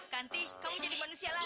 ganti kamu jadi manusia lagi